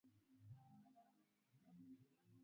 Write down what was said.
Amerika ya Kati na ya Kusini ndiko viazi lishe vilitokea